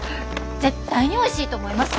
絶対においしいと思います！